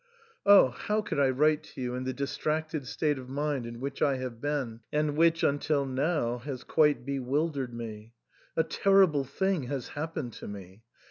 Oh ! how could I write to you in the distracted state of mind in which I have been, and which, until now, has quite be wildered me ! A terrible thing has happened to me.